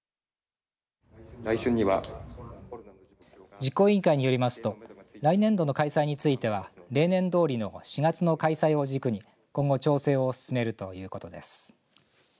実行委員会によりますと来年度の開催については例年どおりの４月の開催を軸に今後、調整を進めるということです。